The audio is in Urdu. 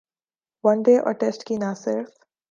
ون ڈے اور ٹیسٹ کی نہ صرف